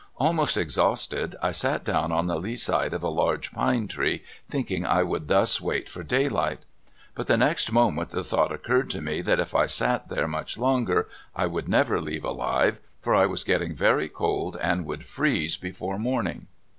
Almost exhausted, I sat down on the lee side of a large pine tree, thinking I would thus wait for daylight. But the next moment the thought occurred to me that if I sat there much longer I w^ould never leave alive, for I was getting very cold, and would freeze before morning.